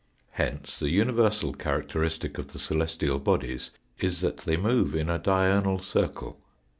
Hence the universal characteristic of the celestial bodies is that they move in a diurnal circle.